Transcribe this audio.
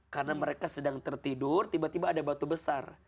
karena mereka sedang tertidur tiba tiba ada batu besar